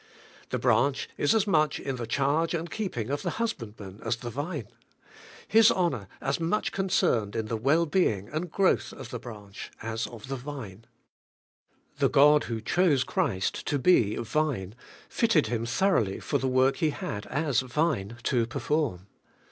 The branch is as much in the charge and keeping of the husband man as the vine; his honour as much concerned in GOD HIMSELF HAS UNITED YOU TO HIM. 55 the well being and growth of the branch as of the vine. The God who chose Christ to be Vine fitted Him thoroughly for the work He had as Vine to perform.